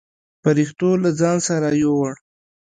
پرښتو له ځان سره يووړ.